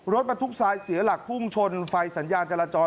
รถบรรทุกทรายเสียหลักพุ่งชนไฟสัญญาณจราจร